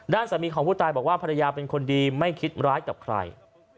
สามีของผู้ตายบอกว่าภรรยาเป็นคนดีไม่คิดร้ายกับใคร